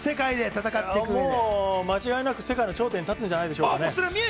もう間違いなく世界の頂点に立つんじゃないでしょうかね。